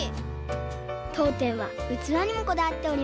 とうてんはうつわにもこだわっております。